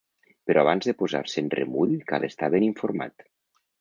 Però abans de posar-se en remull cal estar ben informat.